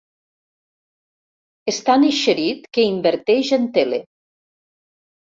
És tan eixerit que inverteix en tele.